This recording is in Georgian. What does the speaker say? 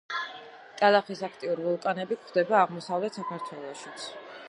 ტალახის აქტიურ ვულკანები გვხვდება აღმოსავლეთ საქართველოშიც.